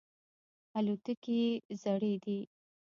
الوتکې یې زړې دي.